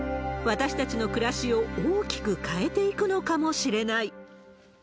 私たちの暮らしを大きく変えていくのかもしれない。